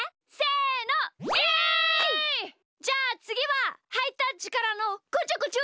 じゃあつぎはハイタッチからのこちょこちょ！